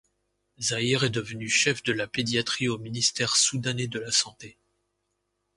Zahir est devenue chef de la pédiatrie au ministère soudanais de la santé.